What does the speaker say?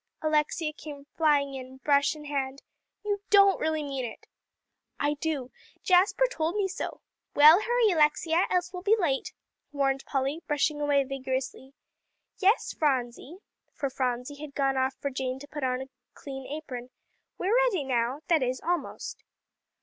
Alexia came flying in, brush in hand. "You don't really mean it!" "I do. Jasper just told me so. Well, hurry, Alexia, else we'll be late," warned Polly, brushing away vigorously. "Yes, Phronsie," for Phronsie had gone off for Jane to put on a clean apron, "we're ready now that is, almost."